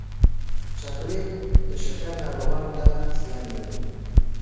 چاکلېټ د شکر ناروغانو ته زیان لري.